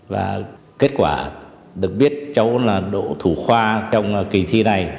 và kết quả được biết cháu là độ thủ khoa trong kỳ thi này